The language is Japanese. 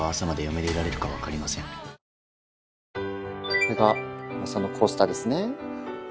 これがそのコースターですね。